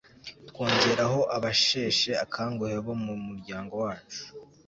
twongeraho abasheshe akanguhe bo mu muryango wacu